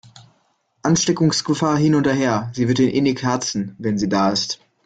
Ansteckungsgefahr hin oder her, sie wird ihn innig herzen, wenn sie da ist.